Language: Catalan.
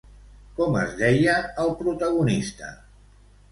Com es deia el protagonista?